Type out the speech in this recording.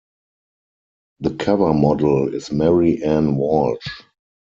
The cover model is Mary Ann Walsh.